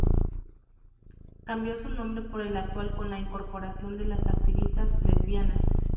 Cambió su nombre por el actual con la incorporación de las activistas lesbianas.